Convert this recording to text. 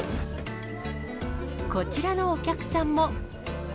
こちらのお客さんも。